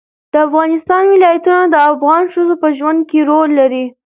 د افغانستان ولايتونه د افغان ښځو په ژوند کې رول لري.